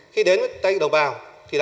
khi đến với tên đồng bào